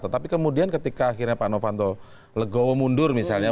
tetapi kemudian ketika akhirnya pak novanto legowo mundur misalnya